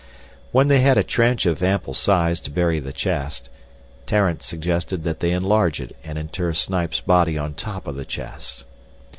When they had a trench of ample size to bury the chest, Tarrant suggested that they enlarge it and inter Snipes' body on top of the chest.